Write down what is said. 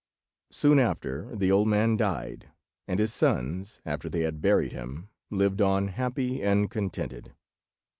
Soon after the old man died, and his sons, after they had buried him, lived on happy and contented.